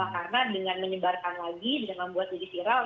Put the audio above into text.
karena dengan menyebarkan lagi dengan membuatnya viral